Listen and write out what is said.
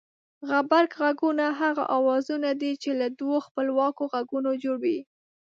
غبرگ غږونه هغه اوازونه دي چې له دوو خپلواکو غږونو جوړ وي